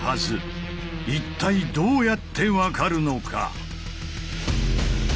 一体どうやって分かるのか？